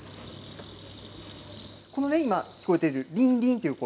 このね、今、聞こえているりんりんという声。